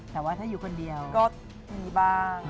แต่ว่าถ้าอยู่คนเดียวก็มีบ้าง